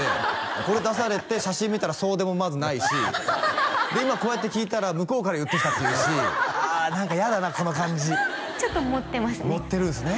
これ出されて写真見たらそうでもまずないしで今こうやって聞いたら向こうからいってきたっていうしあ何かヤダなこの感じちょっと盛ってますね盛ってるんすね